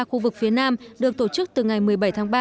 khu vực phía nam được tổ chức từ ngày một mươi bảy tháng ba